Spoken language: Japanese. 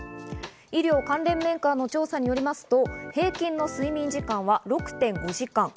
医療関連メーカーの調査によりますと、平均の睡眠時間は６．５時間。